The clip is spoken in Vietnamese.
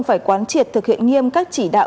phải quán triệt thực hiện nghiêm các chỉ đạo